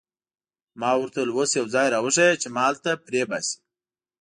ما ورته وویل: اوس یو ځای را وښیه چې ما هلته پرېباسي.